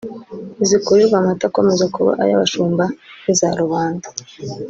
ntizikurirwa amata akomeza kuba ay’abashumba ) nk’iza rubanda”